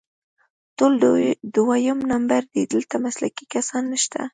ټول دویم نمبر دي، دلته مسلکي کسان نشته